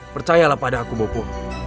percayalah pada aku bopo